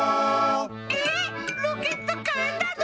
ええっロケットかえたの？